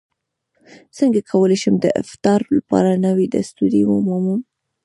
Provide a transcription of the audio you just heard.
څنګه کولی شم د افتار لپاره نوې دستورې ومومم